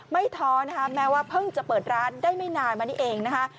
ท้อนะคะแม้ว่าเพิ่งจะเปิดร้านได้ไม่นานมานี้เองนะคะ